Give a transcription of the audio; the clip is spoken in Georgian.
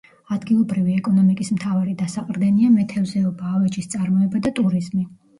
ადგილობრივი ეკონომიკის მთავარი დასაყრდენია მეთევზეობა, ავეჯის წარმოება და ტურიზმი.